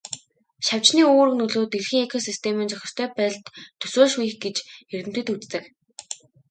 Шавжны үүрэг нөлөө дэлхийн экосистемийн зохистой байдалд төсөөлшгүй их гэж эрдэмтэд үздэг.